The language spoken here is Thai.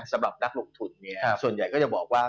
สำหรับนักลงทุนเนี่ยส่วนใหญ่ก็จะบอกว่า